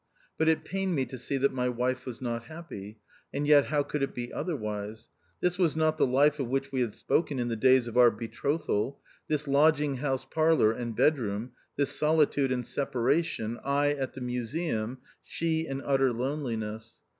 But it pained me to see that my wife was not happy ; and yet how could it be otherwise ? This was not the life of which we had spoken in the days of our betrothal ; this lodging house parlour and bedroom ; this solitude and separation, I at the museum, she in utter loneliness.